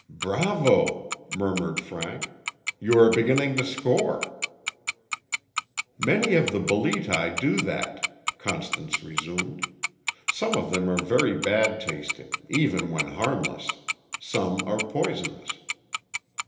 "Bravo!" murmured Frank. "You are beginning to score." "Many of the Boleti do that," Constance resumed. "Some of them are very bad tasting, even when harmless. Some are poisonous.